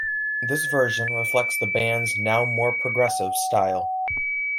This version reflects the band's now more progressive style.